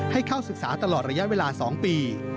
ให้เข้าศึกษาตลอดระยะเวลา๒ปี